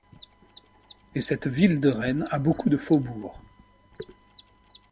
Et cette ville de Rennes a beaucoup de faubourgs.